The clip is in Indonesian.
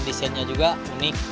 dan desainnya juga unik